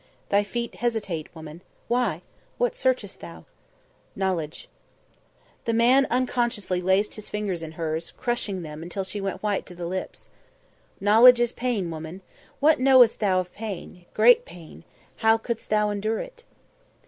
"Thy feet hesitate, woman. Why? What searchest thou?" "Knowledge." The man unconsciously laced his fingers in hers, crushing them until she went white to the lips. "Knowledge is pain, woman. What know'st thou of pain? Great pain. How could'st thou endure it?"